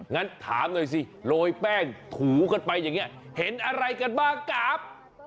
งั้นถามหน่อยสิโรยแป้งถูกันไปอย่างนี้เห็นอะไรกันบ้างครับ